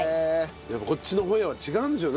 やっぱこっちのホヤは違うんでしょうね。